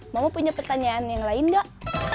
mau punya pertanyaan yang lain nggak